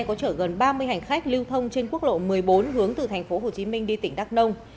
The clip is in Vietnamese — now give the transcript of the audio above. có chở gần ba mươi hành khách lưu thông trên quốc lộ một mươi bốn hướng từ thành phố hồ chí minh đi tỉnh đắk nông